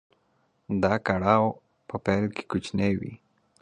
دا کړاو په پيل کې کوچنی وي.